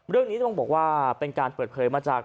เรื่องนี้ต้องบอกว่าเป็นการเปิดเผยมาจาก